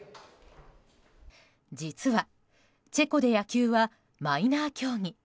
実は、チェコで野球はマイナー競技。